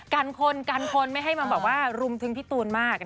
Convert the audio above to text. กันคนไม่ให้มันรุมถึงพี่ตูนมาก